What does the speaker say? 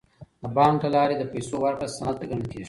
د بانک له لارې د پیسو ورکړه سند ګڼل کیږي.